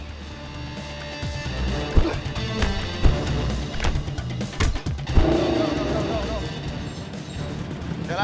tidak tidak tidak